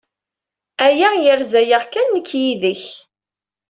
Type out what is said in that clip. Aya yerza-aɣ kan nekk yid-k.